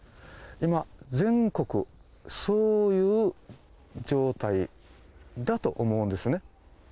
今、全国、そういう状態だと思うんですね。